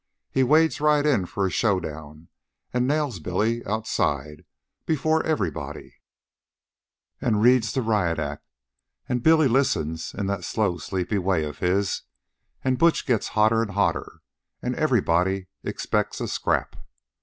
He wades right in for a showdown, an' nails Billy outside, before everybody, an' reads the riot act. An' Billy listens in that slow, sleepy way of his, an' Butch gets hotter an' hotter, an' everybody expects a scrap.